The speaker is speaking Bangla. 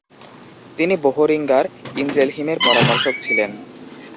তিনি বোহরিঙ্গার ইনজেলহিমের পরামর্শক ছিলেন।